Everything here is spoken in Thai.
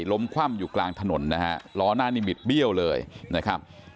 คว่ำอยู่กลางถนนนะฮะล้อหน้านี่บิดเบี้ยวเลยนะครับ